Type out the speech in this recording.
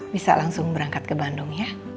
bisa langsung berangkat ke bandung ya